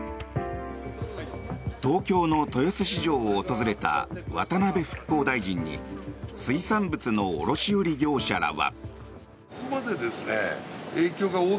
東京の豊洲市場を訪れた渡辺復興大臣に水産物の卸売業者らは。